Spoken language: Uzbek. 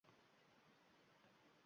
Buxoro zardo‘zligi